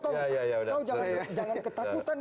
kau jangan ketakutan